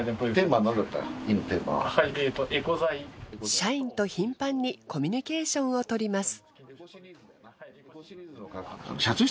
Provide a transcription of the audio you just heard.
社員と頻繁にコミュニケーションをとります。